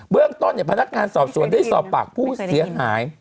เรื่องต้นพนักงานสอบสวนได้สอบปากผู้เสียหาย